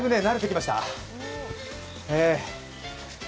だいぶ慣れてきました。